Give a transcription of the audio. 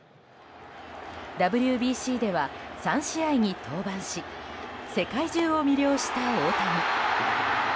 ＷＢＣでは３試合に登板し世界中を魅了した大谷。